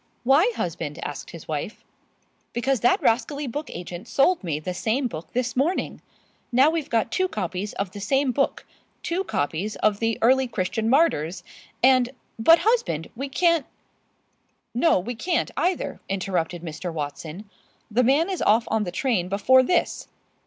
"Why, husband?" asked his wife. "Because that rascally book agent sold me the same book this morning. Now we've got two copies of the same book, two copies of the 'Early Christian Martyrs,' and " "But, husband, we can " "No, we can't, either!" interrupted Mr. Watson. "The man is off on the train before this.